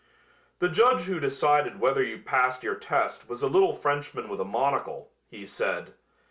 "The judge who decided whether you passed your test was a little Frenchman with a monocle," he said.